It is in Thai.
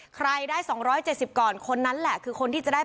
ใครได้สองร้อยเจ็ดสิบก่อนคนนั้นแหละคือคนที่จะได้เป็น